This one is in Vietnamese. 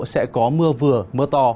sẽ có mưa vừa mưa to